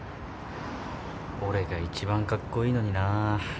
俺が一番カッコイイのにな。